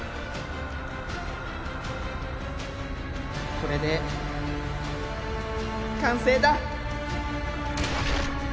これで完成だ！